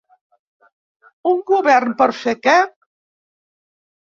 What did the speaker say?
Un govern per fer què?